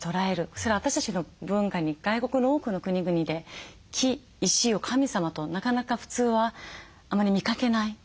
それは私たちの文化に外国の多くの国々で木石を神様となかなか普通はあまり見かけない。